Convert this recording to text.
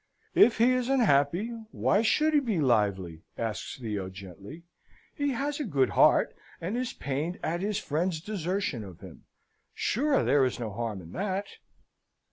"If he is unhappy, why should he be lively?" asks Theo, gently. "He has a good heart, and is pained at his friends' desertion of him. Sure there is no harm in that?"